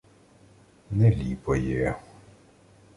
— Не ліпо є...